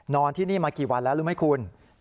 ที่นี่มากี่วันแล้วรู้ไหมคุณ